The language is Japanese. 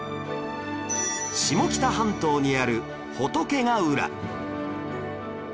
下北半島にある仏ヶ浦